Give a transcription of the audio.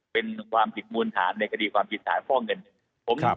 เป็นความผิดมูลฐานในคดีความผิดฐานฟอกเงินเนี่ย